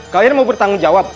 kalian mau bertanggung jawab